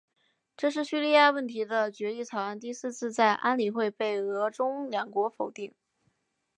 这是叙利亚问题的决议草案第四次在安理会被俄中两国否决。